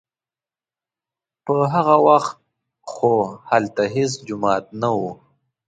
په هغه وخت خو هلته هېڅ جومات نه و.